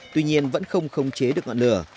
tuy nhiên vẫn không khống chế được ngọn lửa